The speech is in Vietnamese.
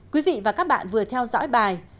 quý vị và các bạn vừa theo dõi bài